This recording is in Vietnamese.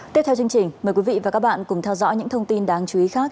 tiếp theo chương trình mời quý vị và các bạn cùng theo dõi những thông tin đáng chú ý khác